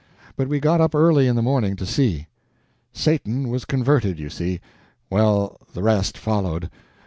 But we got up early in the morning to see. Satan was converted, you see. Well, the rest followed.